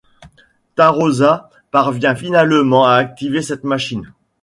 Taroza parvient finalement à activer cette machine.